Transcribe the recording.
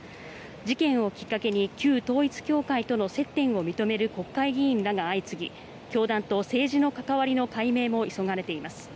事件をきっかけに旧統一教会との接点を認める国会議員らが相次ぎ教団と政治の関わりの解明も急がれています。